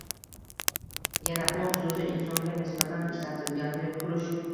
Yaratmoq soʻzi insonga nisbatan ishlatilganda qurish